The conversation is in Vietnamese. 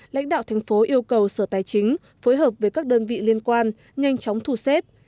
lãnh đạo thành phố yêu cầu sở tài chính phối hợp với các đơn vị liên quan nhanh chóng thu xếp